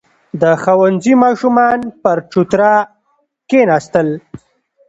• د ښوونځي ماشومان پر چوتره کښېناستل.